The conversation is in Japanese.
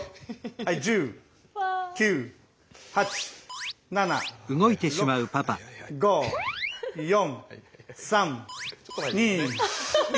はい１０９８７６５４３２１。